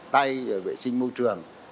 tay vệ sinh môi trường